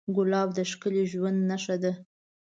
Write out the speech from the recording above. ګلاب د ښکلي ژوند نښه ده.